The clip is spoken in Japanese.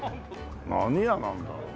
何屋なんだろうね？